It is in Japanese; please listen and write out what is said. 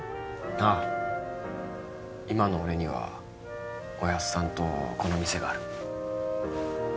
ああ今の俺にはおやっさんとこの店がある